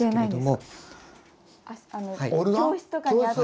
教室とかにあった。